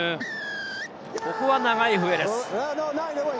ここは長い笛です。